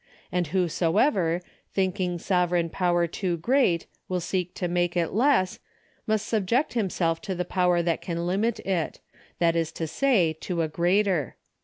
... And whosoever, thinking sovereign pow'er too great, will seek to make it less, must subject himself to the power that can limit it ; that is to say, to a greater."